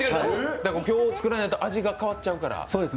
今日、作らないと味が変わっちゃうから？